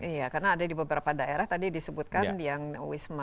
iya karena ada di beberapa daerah tadi disebutkan yang wisma